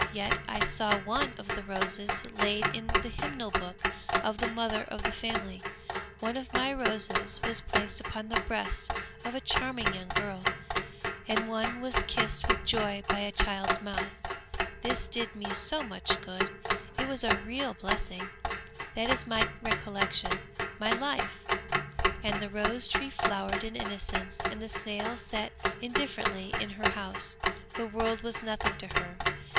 Yet, I saw one of the roses laid in the hymn book of the mother of the family; one of my roses was placed upon the breast of a charming young girl, and one was kissed with joy by a child's mouth. This did me so much good, it was a real blessing! That is my recollection, my life!" And the rose tree flowered in innocence, and the snail sat indifferently in her house. The world was nothing to her.